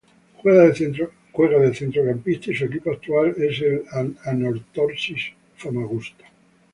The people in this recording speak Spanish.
Juega de centrocampista y su equipo actual es el Anorthosis Famagusta.